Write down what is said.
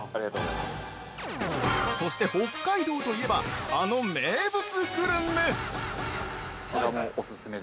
◆そして、北海道といえばあの名物グルメ。